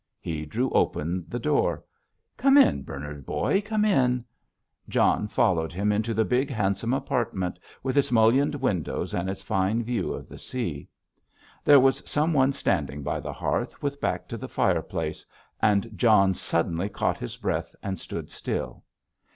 He drew open the door. "Come in, Bernard, boy; come in." John followed him into the big, handsome apartment, with its mullioned windows and its fine view of the sea. There was some one standing by the hearth with back to the fire place, and John suddenly caught his breath and stood still.